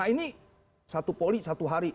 ini satu poli satu hari